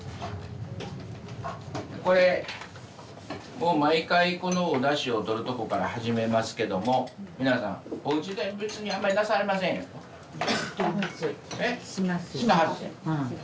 これ毎回このおだしをとるとこから始めますけども皆さんおうちで別にあんまりなさいません？